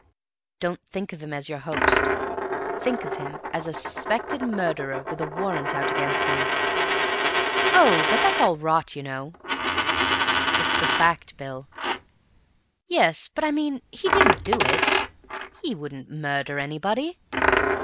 "Don't think of him as your host. Think of him as a suspected murderer with a warrant out against him." "Oh! but that's all rot, you know." "It's the fact, Bill." "Yes, but I mean, he didn't do it. He wouldn't murder anybody.